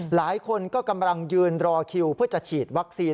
หลายคนก็กำลังยืนรอคิวเพื่อจะฉีดวัคซีน